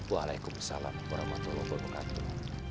wa'alaikumsalam warahmatullahi wabarakatuh